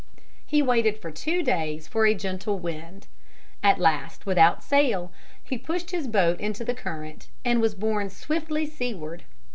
He waited for two days for a gentle wind. At last without sail he pushed his boat into the current and was born swiftly seaward.